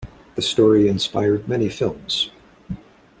The story inspired many films.